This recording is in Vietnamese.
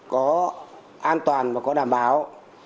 có an toàn và có đảm bảo